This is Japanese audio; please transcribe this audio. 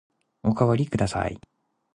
おかわりください。